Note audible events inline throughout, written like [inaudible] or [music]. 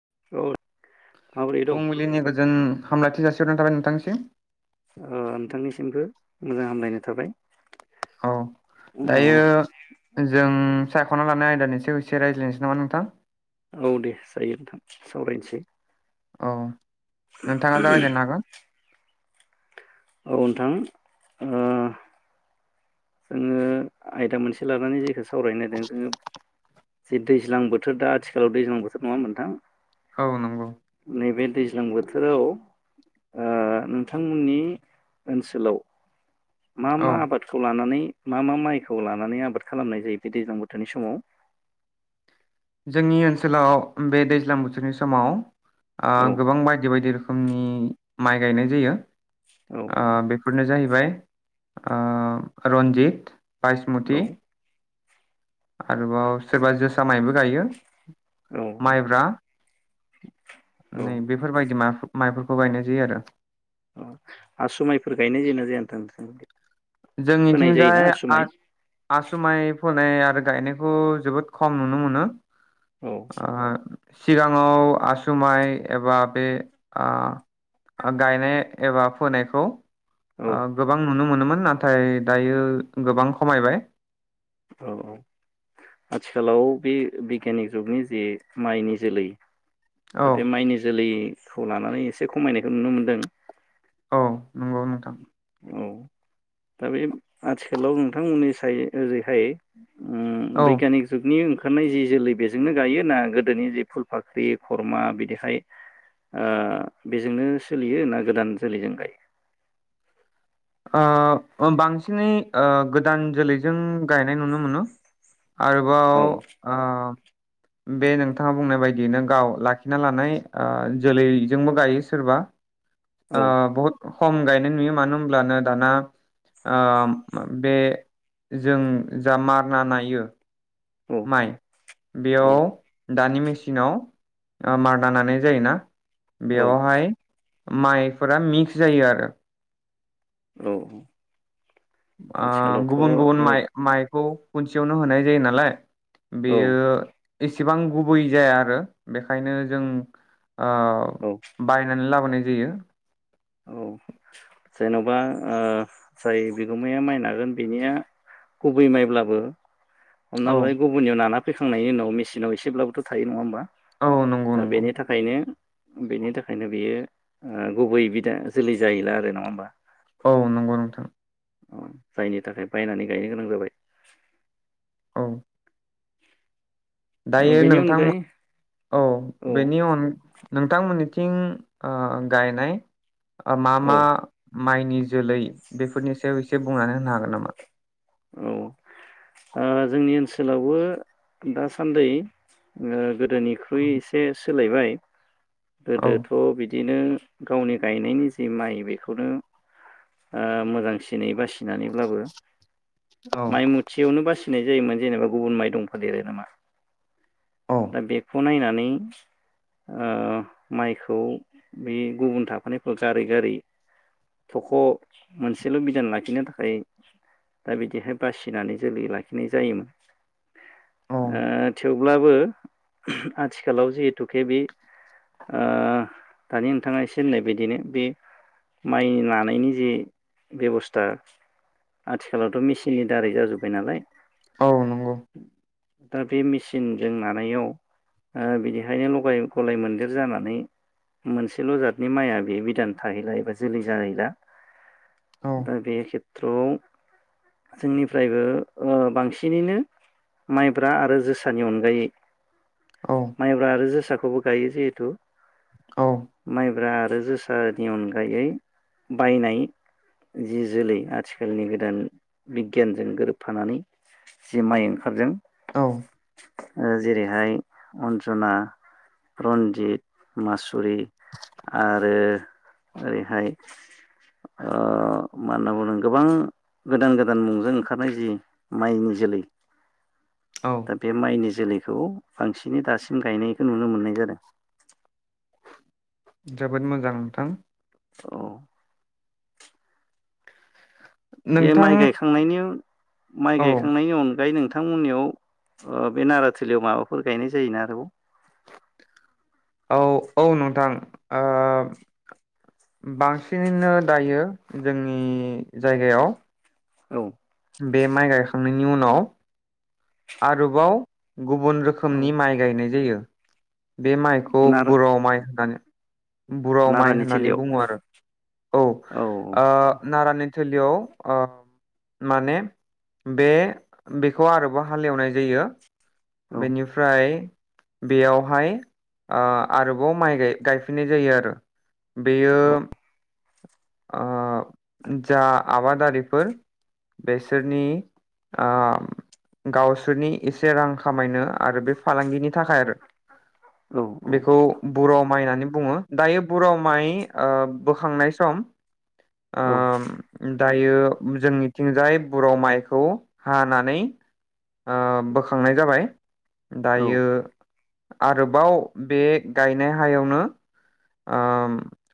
[unintelligible] माबोरै दं फुंबिलिनि गोजोन हामलायथि जासिहरनाय थाबाय नोंथांनिसिम। ओ नोंथांनिसिमबो मोजां हामलायनाय थाबाय। औ अ दायो जों सायख'ना लानाय आयदानि सा याव एसे रायज्लायनोसै नामा नोंथां! औ दे जायो नोंथां सावरायनोसै। औ नोंथाङा जागायजेननो हागोन। औ नोंथां ओ जोङो आयदा मोनसे लानानै जेख सावरायनो नायदों जोङो जे दैज्लां बोथोर दा आथिखालाव दैज्लां बोथोर नङा होनबा नोंथां? औ नंगौ। नैबे दैज्लां बोथोराव ओ नोंथांमोननि ओनसोलाव मा औ मा आबादखौ लाना नै मा मा माइखौ लानानै आबाद खालामनाय जायो बे दैज्लां बोथोरनि समाव? जोंनि ओनसोलाव बे दैज्लां बोथोरनि समाव ओ औ गोबां बायदि बायदि रोखोमनि माइ गायनाय जायो। औ ओ बेफोरनो जाहैबाय ओ रन्जिद औ बायसमुति आरोबाव सोरबा जोसा मायबो गायो। औ माइब्रा औ नै बेफोरबायदि माख माइफोरखौ गायनाय जायो आरो। अ आसु मायफोर गायनाय जायो ना जाया नोथां? जोंनिथिंजाय आ-आसुमाइ फो नाय आरो गायनायखौ जोबोद खम नुनो मोनो। औ आ सिगाङाव आसुमाइ एबा बे आं गायनाय एबा फोनायखौ ओं गोबां नुनो मोनोमोन। नाथाय दायो गोबां खमायबाय। औ औ आथिखालाव बे बिगियानिक जुगनि जे माइनि जोलै औ दा बे माइनि जोलै सु लानानै एसे खमायनायखौ नुनो मोन्दों। औ नंगौ नोंथां। औ दा बे आथिखालाव नोंथांमोननि साइद ओरैहाय। औ उम बैगियानिक जुगनि मोननाय जि जोलै बेजोंनो गायो ना? गोदोनि जि फुल फाख्रि खरमा बिदिहाय ओं बेजोंनो सोलियो ना गोदान जोलैजों गायो? ओं बांसिनै ओं गोदान जोलैजों गायनाय नुनो मोनो। आरोबाव औ ओं बे नोंथाङा बुंनाय बायदियै नों गाव लाखिना लानाय ओं जोलैजोंबो गायो सोरबा। आ बहत खम गायनाय नुयो मानो होनोब्लानो दाना बे जों जा मारना नायो औ माइ औ बेयाव दानि मेसिनाव ओं मारना नानाय जायोना? औ बेवहाय माइफोरा मिक्स जायो आरो। औ। ओं आथिखालावथ' गुबुन गुबुन औ माइ-माइखौ खनसेयावनो होनाय जायो नालाय। औ बेयो एसे इसेबां गुबै जाया आरो बेखायनो जों औ ओं बायनानै लाबोनाय जायो औ जेन'बा ओं जाय बिगोमाया माइ नागोन बिनिया गुबै माइब्लाबो हमना औ लाबाय गुबुननियाव नाना फैखांनायनि उनाव मेसिनाव एसेब्लाबोथ' थायो नङा होमबा? औ नंगौ दा नंगौ बेनि थाखायनो। बेनि थाखायनो बियो ओं गुबै बि दा जोलै जायैला आरो नङा होमबा? औ नंगौ नोंथां। जायनि थाखाय बायनानै गायनो गोनां जाबाय। [inaudible] दायो बेनि नोंथांमो अनगायै औ औ बेनि अन नोंथांमोननिथिं ओ गायनाय मा औ मा माइनि जोलै बेफोरनि सायाव एसे बुंना हो नो हागोन नामा? औ ओ जोंनि ओनसोलावबो दासान्दै ओ गो दोनिख्रुइ एसे सो सोलायबाय औ गोदोथ बिदिनो गावनि गायनायनि जि माइ बेखौनो ओ मोजांसिनै बासिनानै ब्लाबो औ माइ मुथियावनो बासिनाय जायोमोन जेनेबा गुबुन माइ दंफादेरो नामा? औ दा बेखौ नायना नै ओ माइखौ बे गुबुन थाफानायखौ गारै गारै थख' मोनसेल बिदान लाखिनो थाखाय दा बिदिहाय बासिनानै जोलै लाखिनाय जायोमोन। औ ओ थेव ब्लाबो आथिखालाव जिहेथुके बे ओ दानि नोंथाङा एसे होननाय बदिनो बे माइ लानायनि जे बेबस्था आथिखालावथ मेचिननि दारै जाजोब्बाय नालाय औ नंगौ दा बे मेचिनजों नानायाव ओ बिदिहायनो लगाय गलाय मोनदेर जानानै मोनसेल जादनि माइआ बे बिदान थाहैला एबा जोलै जाहैला। औ दा बे खेब थ्रवाव जोंनिफ्रायबो ओ बांसिनैनो माइब्रा आरो जोसानि अनगायै औ माइब्रा आरो जो साखौबो गायो जिहेथु औ माइब्रा आरो जोसानि अनगायै बायनाय जि जोलै आथि खालनि गोदान बिगियानजों गोरोबफानानै जि माइ ओंखारदों औ ओ जेरैहाय अन्जना, रन्जित, मासुरि आरो ओरैहाय ओ मा होनना बुंदों गोबां गोदान गोदान मुंजों ओंखारनाय जि माइनि जोलै औ दा बे माइनि जोलै खौ बांसिनै दासिम गायनायखौ नुनो मोन्नाय जादों। जोबोद मोजां नोंथां औ बे नोंथां माइ गायखांनायनि माइ औ गायखांनायनि अनगायै नोंथां बिथांमोननियाव बे नाराथलियाव माबाफोर गायनाय जायोना आरोबाव? औ औ नोंथां ओ बांसिनैनो दायो जोंनि जायगायाव औ बे माइ गायखांनायनि उनाव आरोबाव गुबुन औ रोखोमनि माइ गायनाय जायो बे माइखौ नारा बुराव माइ होननानै बुराव माइ नारानि होननानै थिलियाव बुङो आरो औ ओ नारानि थिलियाव माने बे बेखौ आरो हालेवनाय जायो औ बेनिफ्राय बेयावहाय आरोबाव माइ गायफिननाय जायो आरो बेयो जा आबादारिफोर बेसोरनि गावसोरनि एसे रां खामायनो आरो बे फालांगिनि थाखाय औ बेखौ बर' माइ होननानै बुङो दायो बुराव माइ ओ बोखांनाय सम औ ओ दायो जोंनिथिंजाय बुराव माइखौ हानानै बोखांनाय जाबाय औ दायो आरोबाव बे गायनाय हायावनो ओ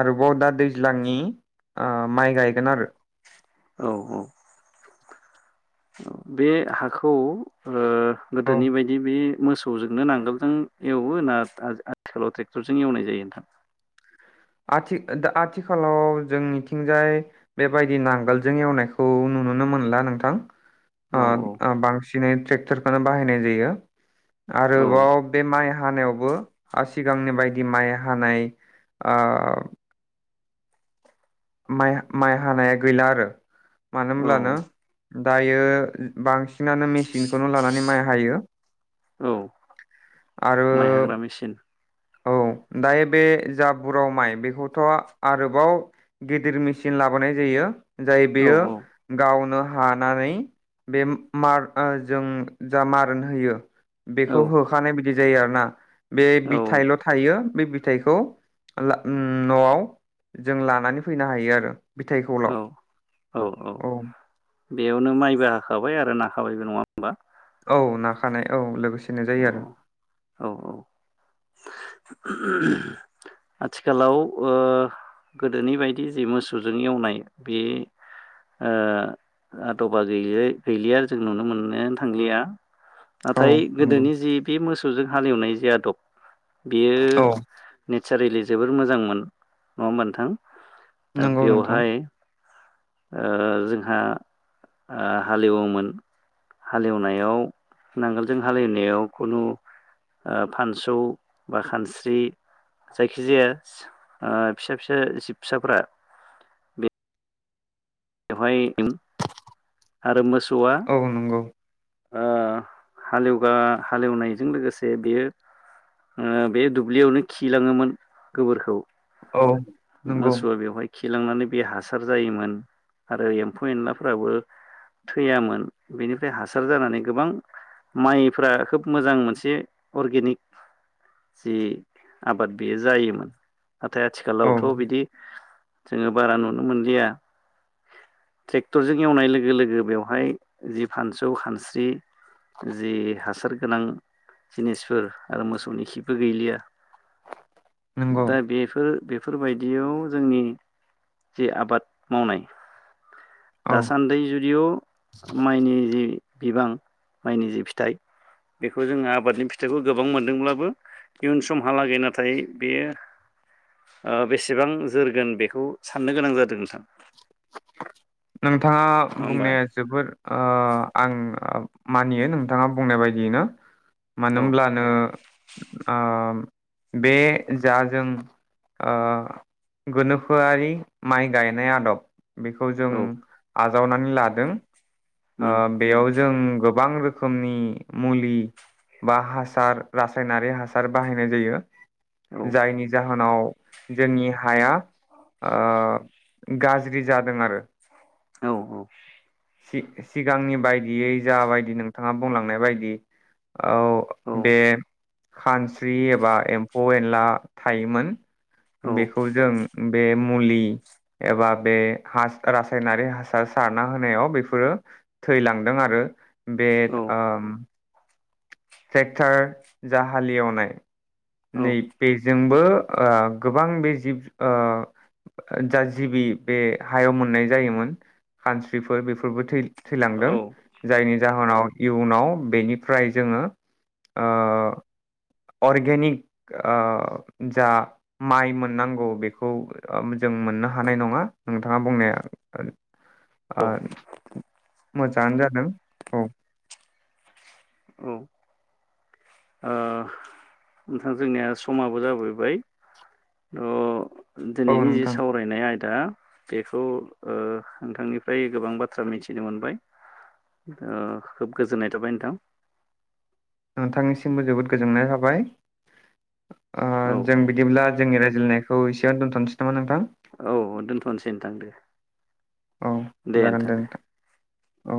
आरोबाव दा दैज्लांनि ओ माइ गायगोन आरो औ औ। बे हाखौ औ गोदोनि बायदि बे मोसौजोंनो नांगोलजों एवोना आथिखालाव ट्रेक्टरजों एवनाय जायो नोंथां? आथि दा आथिखालाव जों मिथिंजाय बेबायदि नांगोलजों एवनायखौ नुुनो मोनला नोंथां औ अ बांसिन दिनै ट्रेक्टरखौनो बाहायनाय जायो औ आरोबाव बे माइ हानायावबो सिगांनि बायदि माइ हानाय आ माइ हानाया गैला आरो मानो औ होनब्लानो दायो बांसिनानो मेसिनखौनो लानानै माइ हायो औ माइ आरो हाग्रा मेचिन औ दायो बे जा बुराव माइ बेखौथ' आरोबाव गिदिर मेचिन लाबोनाय जायो जाय औ बेयो औ गावनो हानानै बे मार जों जा मारोन होयो औ बेखौ होखानाय बिदि जायो आरोना बे औ फिथाइल' थायो बे फिथायखौ [unintelligible] उम न'आव जों लानानै फैनो हायो आरो। बिथायखौल' औ औ। बेयावनो माइबो हाखाबाय आरो नाखाबायबो नङा होमबा? औ नाखानाय औ लोगोसे औ औ औ [inaudible] आथिखालाव ओ गोदोनि बायदि जि मोसौजों एवनाय बे आ आदबा गै गैलिया जों नुनो मोननो थांलिया औ नाथाय नंगौ गोदोनि जि बे मोसौजों हालेवनाय आदब बेयो औ नेचारेलि जोबोर मोजांमोन नङा होमबा नोंथां? दा नंगौ नोंथां बेवहाय ओ जोंहा आ हालेवोमोन हालेवनायाव नांगोलजों हालिनायाव खुनु ओ फानसौ बा खानस्रि जायखिजाया आ फिसा फिसा जिबसाफ्रा बे बेवहाय [unintelligible] आरो मोसौ औ नंगौ। ओ हालेवगा हालेवनायजों लोगोसे बेयो ओ बे दुब्लियावनो खिलाङोमोन गोबोरखौ औ नंगौ। मोसौआ बेवहाय खिलांनानै बे हासार जायोमोन आरो एम्फौ एनलाफोराबो थैयामोन बेनिफ्राय हासार जानानै गोबां माइफ्रा खोब मोजां मोनसे अरगेनिक जि आबाद बेयो जायोमोन। नाथाय औ आथिखालावथ' बिदि जोङो बारा नुनो मोनलिया। ट्रेक्टरजों एवनाय लोगो लोगो बेवहाय जि फानसौ खानस्रि जि हासार गोनां जिनिसफोर आरो मोसौनि खिबो गैलिया नंगौ दा बेफोर बे फोरबायदियाव जोंनि जे आबाद मावनाय औ दासान्दि जुदिअ माइनि जि बिबां माइनि जि फिथाइ बेखौ जोङो आबादनि फिथाइखौ गोबां मोनदोंब्लाबो इयुन समहालागै नाथाय बेयो ओ बेसेबां जोरगोन बेखौ साननो गोनां जादों नोंथां। नों थाङा नङा होमबा बुंनाया जोबोर अ आं मानियो नोंथाङा बुंनाय बाय दिनो मानो औ होमब्लानो आ बे जा जों आ गोनोखोआरि माइ गायनाय आदब बे जों औ आ जावनानै लादों। अ उम बेयाव जों गोबां रोखोमनि मुलि बा हासार रासायनारि हासार बाहायनाय जायो। औ जायनि जाहोनाव जोंनि हाया ओ गाज ज्रि जादों आरो। औ औ सि-सिगांनि बायदियै जाबायदि नोंथाङा बुंलांनाय बायदि औ औ बे खानस्रि एबा एम्फौ एनला थायोमोन औ बेखौ जों बे मुलि एबा बे हा रासायनारि हासार सारना होनायाव बेफोरो थैलांदों आरो। बे औ ओ ट्रेक्टार जा हालेवनाय नै बेजों बो ओ गोबां बे जिब ओ जा जिबि बे हायाव मोननाय जायोमोन खानस्रिफोर बेफ फोरबो थैलांदों औ जायनि जाहोनाव इयुनाव बेनिफ्राय जोंङो ओ अर्गेनिक ओ जा माइ मोननांगौ बेखौ जों मोननो हानाय नङा। नोंथाङा बुंनाया ओ मोजांङानो जादों औ। औ ओ नोंथां जोंनिया समाबो जाबोबाय थ' औ दिनैनि जि नोंथां सावरायनाय आय दा बेखौ ओ नोंथांनिफ्राय गोबां बाथ्रा मिथिनो मोनबाय ओ खोब गोजोननाय थाबाय नोंथां। नोंथांनिसिमबो जोबोद गोजोननाय थाबाय। ओ औ जों बिदिब्ला जोंनि राय ज्लायनायखौ एसेआवनो दोनथ'सै नामा नोंथां? औ दोनथ'नोसै नोंथां दे। औ जागोन दे नोंथां। औ